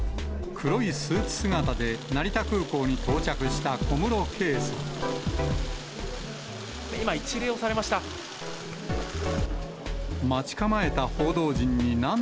黒いスーツ姿で成田空港に到着した小室圭さん。